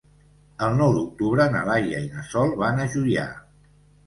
El nou d'octubre na Laia i na Sol van a Juià.